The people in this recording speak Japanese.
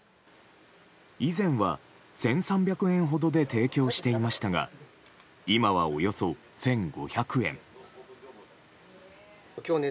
以前は１３００円ほどで提供していましたが今はおよそ１５００円。